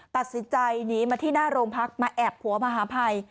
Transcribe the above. ตัดสินใจหนีมาที่หน้าโรงพักมาแอบผัวมหาภัย